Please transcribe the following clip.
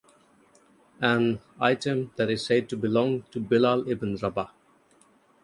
An item that is said to belong to Bilal Ibn Rabah.